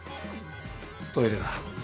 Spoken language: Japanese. トイレだ。